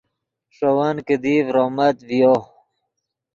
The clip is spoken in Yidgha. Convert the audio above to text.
ݰے ون کیدی ڤرومت ڤیو